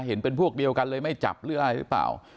เห็นเป็นพวกเดียวกันเลยไม่จับหรืออะไรหรือเปล่า